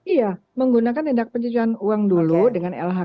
iya menggunakan tindak pencucian uang dulu dengan lhk